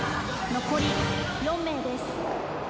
残り４名です。